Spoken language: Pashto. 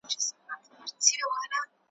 ډېر ګټور شيان ځني زده کړل